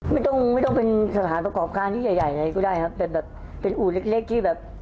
ไม่ต้องเป็นสถานประกอบค้าที่ใหญ่อะไรก็ได้ครับเป็นอู๋เล็กที่แบบ